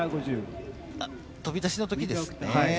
飛び出しの時ですね。